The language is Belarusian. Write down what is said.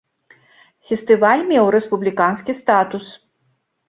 Фестываль меў рэспубліканскі статус.